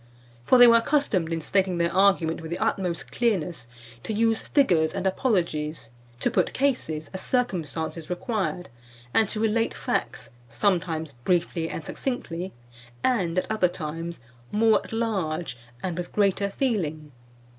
For they were accustomed, in stating their argument with the utmost clearness, to use figures and apologies, to put cases, as circumstances required, and to relate facts, sometimes briefly and succinctly, and, at other times, more at large and with greater feeling.